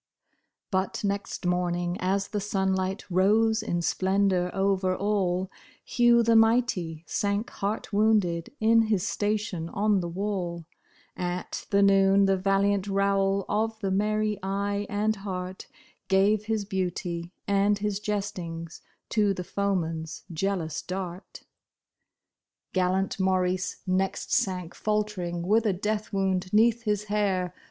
But next morning as the sunlight rose in splendor over all, Hugh the mighty, sank heart wounded in his station on the wall ; At the noon the valiant Raoul of the merry eye and heart, Gave his beauty and his jestings to the foeman's jealous dart. Gallant Maurice next sank faltering with a death wound 'neath his hair.